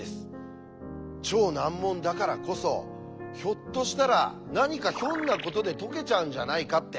超難問だからこそひょっとしたら何かひょんなことで解けちゃうんじゃないかって。